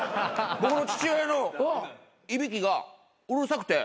僕の父親のいびきがうるさくて。